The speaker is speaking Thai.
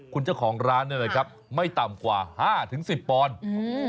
คุณเจ้าของร้านเนี่ยนะครับไม่ต่ำกว่าห้าถึงสิบปอนด์อืม